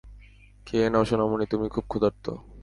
খেয়ে নাও, সোনামণি, তুমি খুব ক্ষুধার্ত।